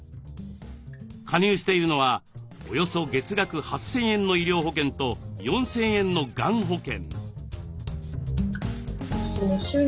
加入しているのはおよそ月額８，０００円の医療保険と４，０００円のがん保険。